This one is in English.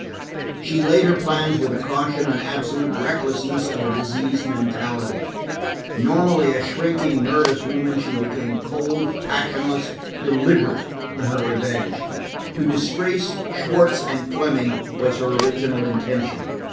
She laid her plans with the caution and absolute recklessness of a diseased mentality. Normally a shrinking, nervous woman, she became cold, passionless, deliberate in her revenge. To disgrace Schwartz and Fleming was her original intention.